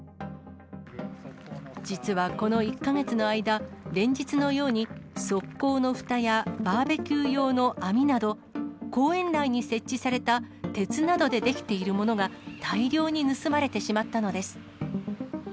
実はこの１か月の間、連日のように側溝のふたやバーベキュー用の網など、公園内に設置された鉄などで出来ているものが、大量に盗まれてしまったのです。